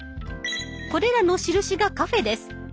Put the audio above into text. これらの印がカフェです。